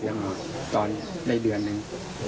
ตอนนั้นในเดือนนึง